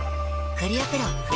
クリアプロだＣ。